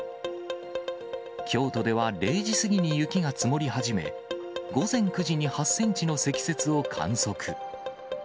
京都では０時過ぎに雪が積もり始め、午前９時に８センチの積雪を観測。